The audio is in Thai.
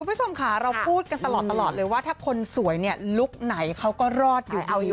คุณผู้ชมค่ะเราพูดกันตลอดเลยว่าถ้าคนสวยลุคไหนเขาก็รอดอยู่